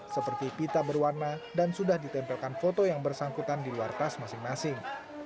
seperti pita berwarna dan sudah ditempelkan foto yang bersangkutan di luar tas masing masing